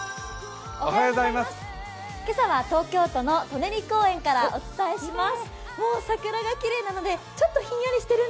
今朝は東京都の舎人公園からお伝えします。